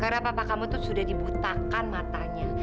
karena papa kamu tuh sudah dibutakan matanya